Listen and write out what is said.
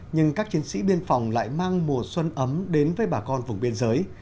nhưng các chiến sĩ biên phòng lại mang mùa xuân ấm đến với bà con vùng biên giới